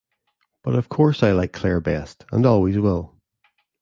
But of course I like Claire best and always will.